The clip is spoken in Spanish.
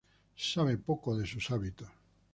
Se sabe poco de sus hábitos.